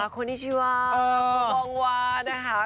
ค่ะคนนิชิวาคุณบองวานะคะ